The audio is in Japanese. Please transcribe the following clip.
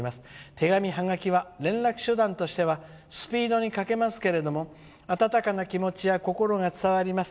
手紙、ハガキは連絡手段としてはスピードに欠けますけども温かな気持ちや心が伝わります。